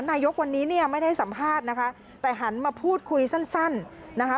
นายกวันนี้เนี่ยไม่ได้สัมภาษณ์นะคะแต่หันมาพูดคุยสั้นสั้นนะคะ